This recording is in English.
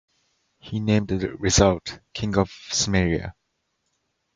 He named the result "King of Sumeria".